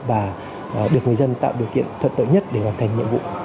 và được người dân tạo điều kiện thuận lợi nhất để hoàn thành nhiệm vụ